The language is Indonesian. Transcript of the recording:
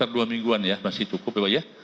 dua mingguan ya masih cukup ya pak ya